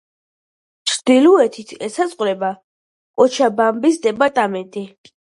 ჩრდილოეთით ესაზღვრება კოჩაბამბის დეპარტამენტი.